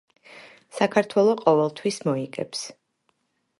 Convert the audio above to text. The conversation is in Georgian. საქართველო ყოველთვის მოიგებს!